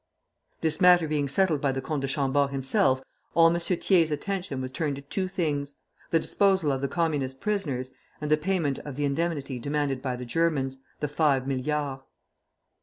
This matter being settled by the Comte de Chambord himself, all M. Thiers' attention was turned to two things, the disposal of the Communist prisoners, and the payment of the indemnity demanded by the Germans, the five milliards.